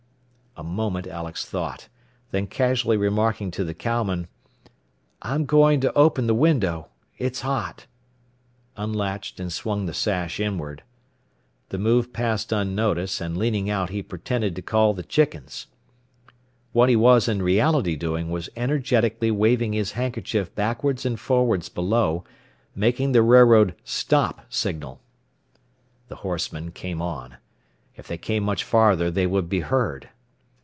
A moment Alex thought, then casually remarking to the cowman, "I'm going to open the window. It's hot," unlatched and swung the sash inward. The move passed unnoticed, and leaning out he pretended to call the chickens. What he was in reality doing was energetically waving his handkerchief backwards and forwards below, making the railroad "stop" signal. The horsemen came on. If they came much farther they would be heard!